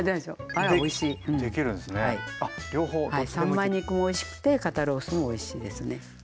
３枚肉もおいしくて肩ロースもおいしいですね。